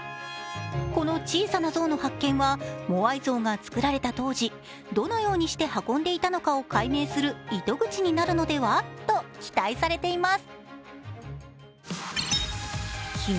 この小さな像の発見は、モアイ像が作られた当時、どのようにして運んでいたのかを解明する糸口になるのではと期待されています。